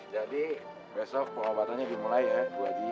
jadi besok pengobatannya dimulai ya bu aji